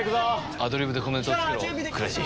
アドリブでコメントをつけろ倉石。